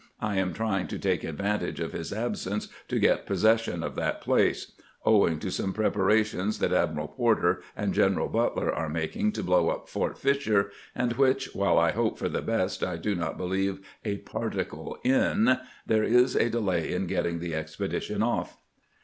I am trying to take advantage of his ab sence to get possession of that place. Owing to some 22 338 CAMPAIGNING WITH GRANT preparations that Admiral Porter and General Butler are making to blow up Fort Fisher, and which, while I hope for the best, I do not believe a particle in, there is a delay in getting the expedition off.